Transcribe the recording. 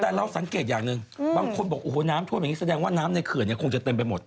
แต่เราสังเกตอย่างหนึ่งบางคนบอกโอ้โหน้ำท่วมอย่างนี้แสดงว่าน้ำในเขื่อนเนี่ยคงจะเต็มไปหมด